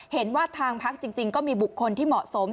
เห็นว่าทางพักจริงก็มีบุคคลที่เหมาะสม